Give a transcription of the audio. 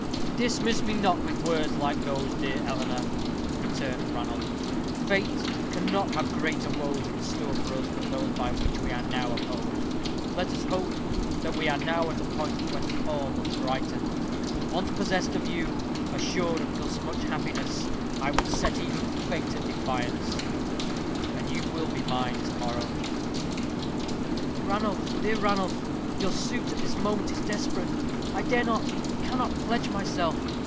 "Dismiss me not with words like those, dear Eleanor," returned Ranulph. "Fate cannot have greater woes in store for us than those by which we are now opposed. Let us hope that we are now at that point whence all must brighten. Once possessed of you, assured of thus much happiness, I would set even fate at defiance. And you will be mine to morrow." "Ranulph, dear Ranulph, your suit at this moment is desperate. I dare not, cannot pledge myself.